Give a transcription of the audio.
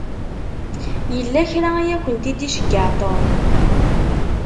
Yella kra i akent-id-iceyyeɛ Tom.